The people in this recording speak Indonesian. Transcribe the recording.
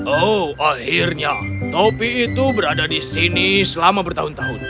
oh akhirnya topi itu berada di sini selama bertahun tahun